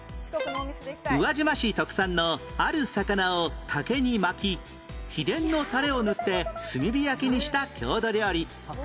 宇和島市特産のある魚を竹に巻き秘伝のタレを塗って炭火焼きにした郷土料理